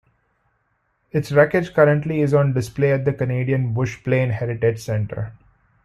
Its wreckage currently is on display at the Canadian Bushplane Heritage Centre.